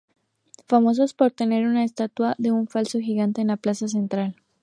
Famoso por tener una estatua de un falo gigante en la plaza central.